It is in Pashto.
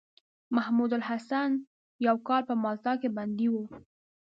محمودالحسن يو کال په مالټا کې بندي وو.